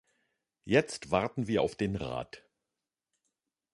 Jetzt warten wir auf den Rat.